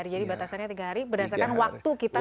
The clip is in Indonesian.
jadi batasannya tiga hari berdasarkan waktu kita sampai